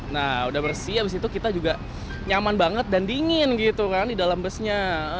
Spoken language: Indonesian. nah udah bersih abis itu kita juga nyaman banget dan dingin gitu kan di dalam busnya